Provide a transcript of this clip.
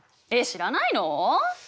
えっ知らないの？